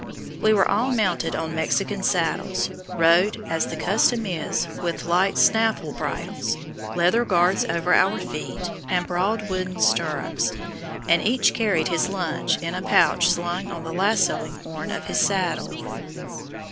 We were all mounted on Mexican saddles, rode, as the custom is, with light snaffle bridles, leather guards over our feet, and broad wooden stirrups, and each carried his lunch in a pouch slung on the lassoing horn of his saddle.